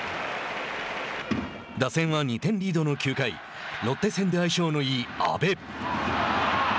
打線は２点リードの９回ロッテ戦で相性のいい阿部。